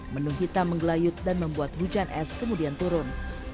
menu hitam menggelayut dan membuat hujan es kemudian turun